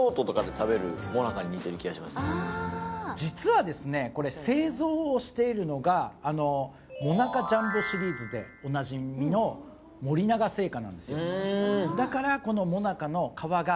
実は、製造しているのがモナカジャンボシリーズでおなじみの森永製菓なんです。